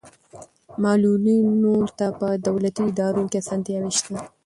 معلولینو ته په دولتي ادارو کې اسانتیاوې شته.